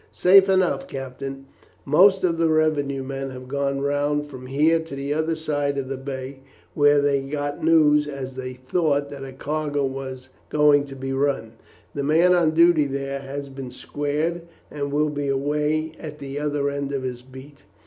"Safe enough, captain. Most of the revenue men have gone round from here to the other side of the bay, where they got news, as they thought, that a cargo was going to be run. The man on duty here has been squared, and will be away at the other end of his beat.